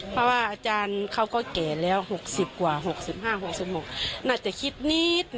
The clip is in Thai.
เพราะว่าอาจารย์เขาก็แก่แล้ว๖๐กว่า๖๕๖๖น่าจะคิดนิด